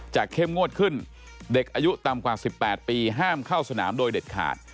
เข้มงวดขึ้นเด็กอายุต่ำกว่า๑๘ปีห้ามเข้าสนามโดยเด็ดขาด